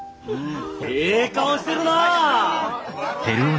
ええ顔してるな。